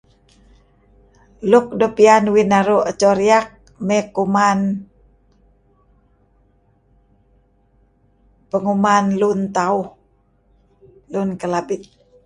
Luk doo' piyan uih naru' edto riak may kuman penguman lun tauh, Lun Kelabit.